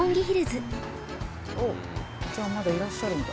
おっじゃあまだいらっしゃるんだ。